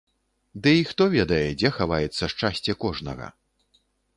Дый хто ведае, дзе хаваецца шчасце кожнага?